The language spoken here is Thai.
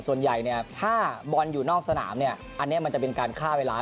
ส่วนใหญ่เนี่ยถ้าบอลอยู่นอกสนามเนี่ยอันนี้มันจะเป็นการฆ่าเวลา